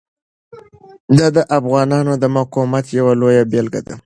دا د افغانانو د مقاومت یوه لویه بیلګه ده.